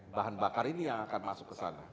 bahan bakar ini yang akan masuk ke sana